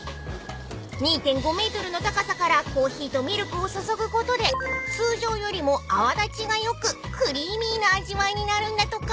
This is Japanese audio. ［２．５ｍの高さからコーヒーとミルクを注ぐことで通常よりも泡立ちが良くクリーミーな味わいになるんだとか］